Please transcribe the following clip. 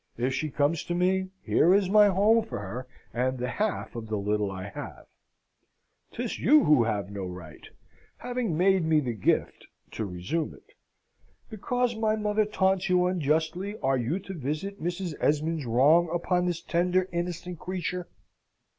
If she comes to me, here is my home for her, and the half of the little I have. 'Tis you, who have no right, having made me the gift, to resume it. Because my mother taunts you unjustly, are you to visit Mrs. Esmond's wrong upon this tender, innocent creature?